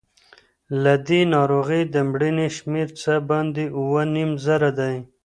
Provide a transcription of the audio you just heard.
له دې ناروغۍ د مړینې شمېر څه باندې اووه نیم زره دی.